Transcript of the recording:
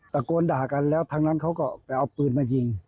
ตะโกนด่ากันแล้วทั้งนั้นเขาก็ไปเอาปืนมายิง